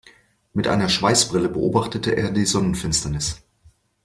Mit einer Schweißbrille beobachtete er die Sonnenfinsternis.